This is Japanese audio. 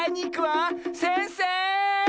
せんせい！